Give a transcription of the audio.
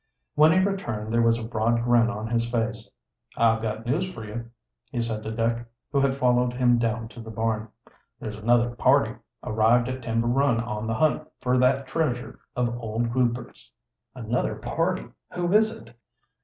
When he returned there was a broad grin on his face. "I've got news for you," he said to Dick, who had followed him down to the barn. "There's another party arrived at Timber Run on the hunt fer that treasure of old Goupert's." "Another party. Who is it?"